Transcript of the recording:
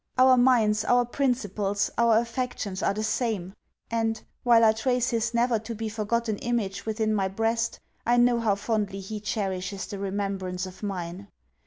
Our minds, our principles, our affections are the same; and, while I trace his never to be forgotten image within my breast, I know how fondly he cherishes the remembrance of mine.